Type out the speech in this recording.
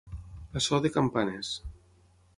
A so de campanes.